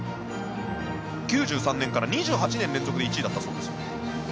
９３年から２８年連続で１位だったそうです。